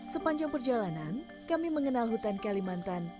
sepanjang perjalanan kami mengenal hutan kalimantan